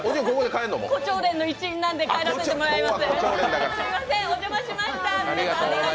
胡蝶蓮の一員なので帰らせていただきます。